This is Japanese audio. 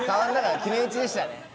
決め打ちでしたね。